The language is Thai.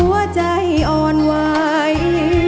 หัวใจอ่อนไหว